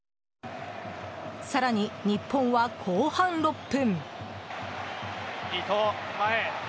更に日本は後半６分。